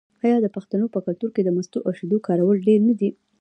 آیا د پښتنو په کلتور کې د مستو او شیدو کارول ډیر نه دي؟